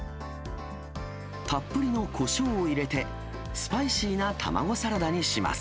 たっぷりのこしょうを入れて、スパイシーな卵サラダにします。